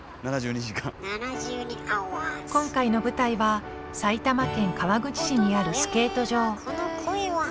今回の舞台は埼玉県川口市にあるスケート場。